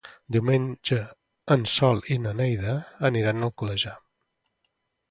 Diumenge en Sol i na Neida aniran a Alcoleja.